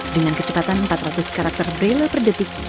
dengan kecepatan empat ratus karakter braille per detik